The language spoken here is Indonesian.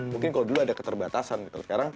mungkin kalau dulu ada keterbatasan gitu sekarang